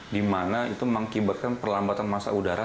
di mana itu mengakibatkan perlambatan masa udara